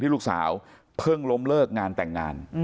ลูกสาวเพิ่งล้มเลิกงานแต่งงาน